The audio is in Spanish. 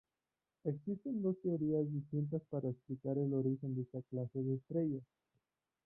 Existen dos teorías distintas para explicar el origen de esta clase de estrellas.